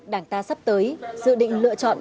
đảng ta sắp tới dự định lựa chọn